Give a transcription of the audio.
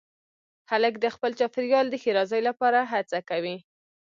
هلک د خپل چاپېریال د ښېرازۍ لپاره هڅه کوي.